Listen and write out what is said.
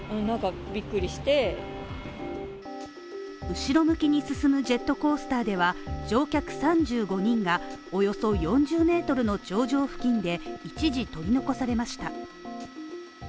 後ろ向きに進むジェットコースターでは乗客３５人が、およそ４０ｍの頂上付近で一時取り残されました。